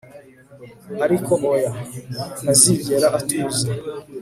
ariko oya, ntazigera atuza